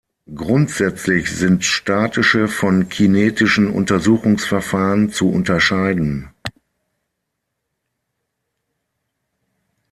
Grundsätzlich sind statische von kinetischen Untersuchungsverfahren zu unterscheiden.